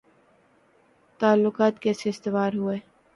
تعلقات کیسے استوار ہوئے